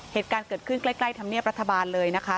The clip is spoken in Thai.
เหตุการณ์เกิดขึ้นใกล้ธรรมเนียบรัฐบาลเลยนะคะ